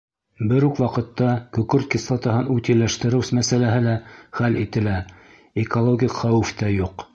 Бер үк ваҡытта көкөрт кислотаһын утилләштереү мәсьәләһе лә хәл ителә, экологик хәүеф тә юҡ.